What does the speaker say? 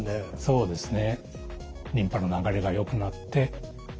そうですね。